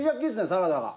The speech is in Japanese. サラダが。